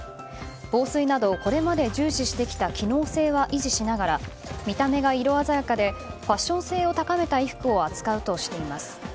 防水などこれまで重視してきた機能性は維持しながら見た目が色鮮やかでファッション性を高めた衣服を扱うとしています。